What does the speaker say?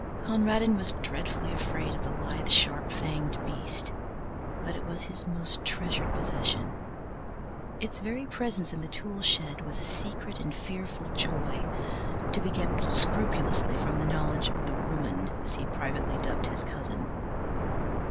Conradin was dreadfully afraid of the lithe, sharp fanged beast, but it was his most treasured possession. Its very presence in the tool shed was a secret and fearful joy, to be kept scrupulously from the knowledge of the Woman, as he privately dubbed his cousin.